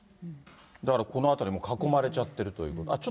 だからこのあたりも囲まれちゃってるということで。